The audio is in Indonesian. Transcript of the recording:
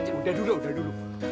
udah dulu udah dulu